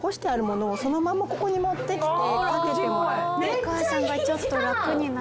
お母さんがちょっと楽になる。